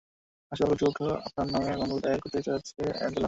হাসপাতাল কর্তৃপক্ষ আপনার নামে মামলা দায়ের করতে চাচ্ছে, অ্যাঞ্জেলা।